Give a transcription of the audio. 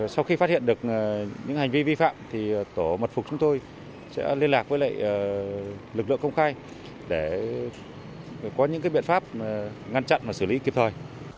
sau khi phát hiện được những hành vi vi phạm thì tổ mật phục chúng tôi sẽ liên lạc với lực lượng công khai để có những biện pháp ngăn chặn và xử lý kịp thời